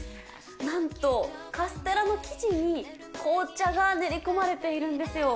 なんとカステラの生地に紅茶が練り込まれているんですよ。